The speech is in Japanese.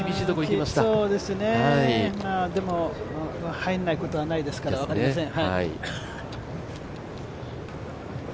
きつそうですねでも入らないことはないですから分かりません。